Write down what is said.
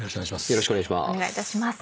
よろしくお願いします。